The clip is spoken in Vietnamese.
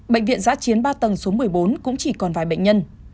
bệnh viện giã chiến ba tầng số một mươi bốn cũng chỉ còn vài bệnh nhân